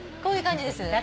こういう感じです。